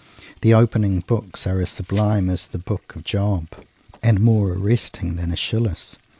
The opening Books are as sublime as the book of Job, and more arresting than Aeschylus.